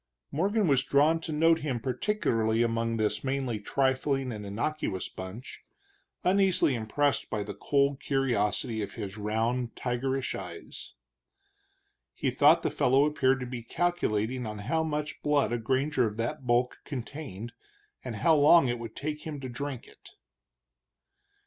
Morgan was drawn to note him particularly among this mainly trifling and innocuous bunch, uneasily impressed by the cold curiosity of his round, tigerish eyes. He thought the fellow appeared to be calculating on how much blood a granger of that bulk contained, and how long it would take him to drink it.